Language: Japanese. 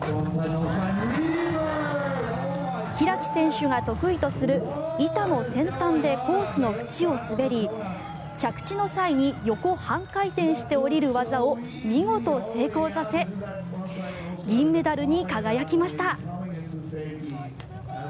開選手が得意とする板の先端でコースの縁を滑り、着地の際に横半回転して降りる技を見事成功させ銀メダルに輝きました。